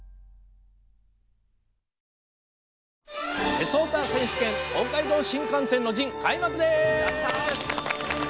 「鉄オタ選手権東海道新幹線の陣」開幕です！